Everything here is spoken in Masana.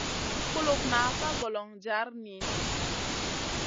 Kulufna ka golon jar niyna.